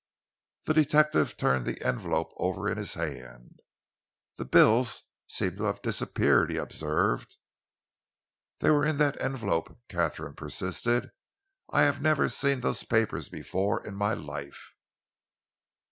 The detective turned the envelope over in his hand. "The bills seem to have disappeared," he observed. "They were in that envelope," Katharine persisted. "I have never seen those papers before in my life."